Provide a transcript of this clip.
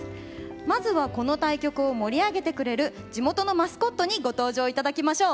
まずはこの対局を盛り上げてくれる地元のマスコットにご登場いただきましょう。